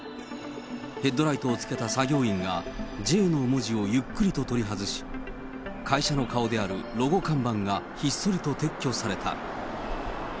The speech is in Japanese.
ヘッドライトをつけた作業員が、Ｊの文字をゆっくりと取り外し、会社の顔であるロゴ看板がひっそりと撤去された。